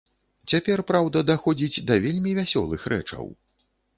Цяпер, праўда, даходзіць да вельмі вясёлых рэчаў.